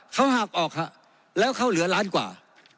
เขาหักออกฮะแล้วเขาเหลือล้านกว่า